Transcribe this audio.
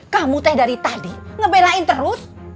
kamu teh dari tadi ngebelain terus